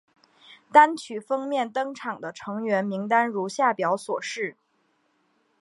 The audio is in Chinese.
单曲封面登场的成员名单如下表所示。